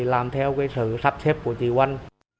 làm theo sự sắp xếp của tỷ quan